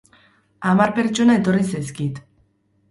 Hamar pertsona etorri zaizkit.